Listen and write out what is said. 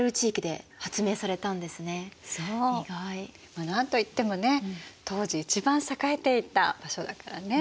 まあ何と言ってもね当時一番栄えていた場所だからね。